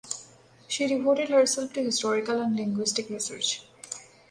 She devoted herself to historical and linguistic research.